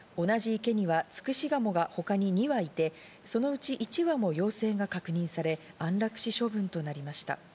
同じ池にはツクシガモが他に２羽いて、そのうち１羽も陽性が確認され、安楽死処分となりました。